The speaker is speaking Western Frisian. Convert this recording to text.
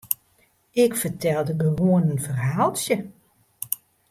Ik fertelde gewoan in ferhaaltsje.